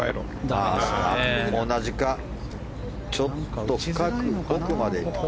同じかちょっと深く奥まで行ったか。